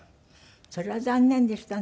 それは残念でしたね。